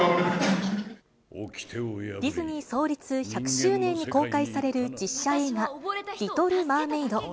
ディズニー創立１００周年に公開される実写映画、リトル・マーメイド。